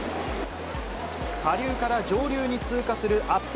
下流から上流に通過するアップ